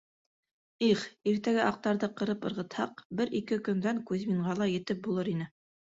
— Их, иртәгә аҡтарҙы ҡырып ырғытһаҡ, бер-ике көндән Кузьминға ла етеп булыр ине.